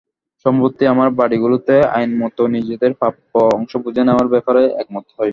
সম্প্রতি আমরা বাড়িগুলোতে আইনমতো নিজেদের প্রাপ্য অংশ বুঝে নেওয়ার ব্যাপারে একমত হই।